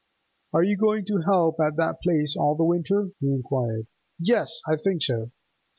'Are you going to help at that place all the winter?' he inquired. 'Yes; I think so.